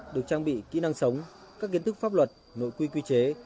được trang bị kỹ năng sống các kiến thức pháp luật nội quy quy chế